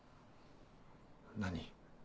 何？